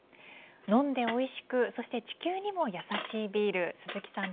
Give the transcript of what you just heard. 飲んでおいしく、そして地球にも優しいビール鈴木さん